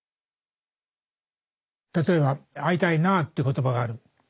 例えば「会いたいなあ」って言葉があるセリフがある。